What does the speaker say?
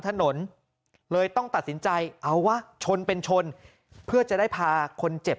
ถนนเลยต้องตัดสินใจเอาวะชนเป็นชนเพื่อจะได้พาคนเจ็บ